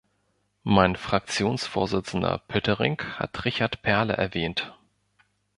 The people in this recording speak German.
Mein Fraktionsvorsitzender Poettering hat Richard Perle erwähnt.